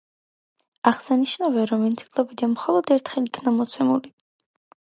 აღსანიშნავია, რომ ენციკლოპედია მხოლოდ ერთხელ იქნა გამოცემული.